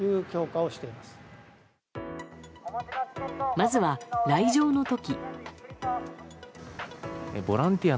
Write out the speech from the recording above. まずは来場の時。